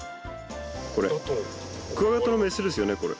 クワガタのメスですよねこれ。